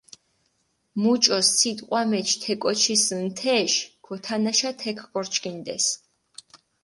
მუჭო სიტყვა მეჩ თე კოჩქჷნ თეში, გოთანაშა თექ გორჩქინდეს.